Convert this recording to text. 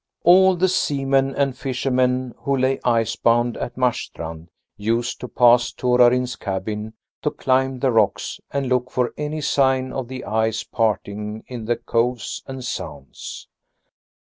All the seamen and fishermen who lay icebound at Marstrand used to pass Torarin's cabin to climb the rocks and look for any sign of the ice parting in the coves and sounds.